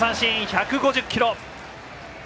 １５０キロ！